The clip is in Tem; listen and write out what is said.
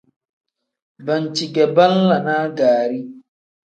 Banci ge banlanaa gaari.